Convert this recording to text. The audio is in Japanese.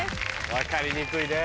分かりにくいね。